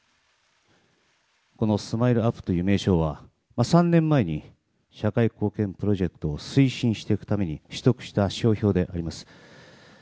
このＳＭＩＬＥ‐ＵＰ．という名称は３年前に社会貢献プロジェクトを推進していくために取得した商標であります。